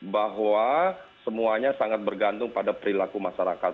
bahwa semuanya sangat bergantung pada perilaku masyarakat